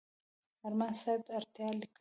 ارماني صاحب راته لیکلي و.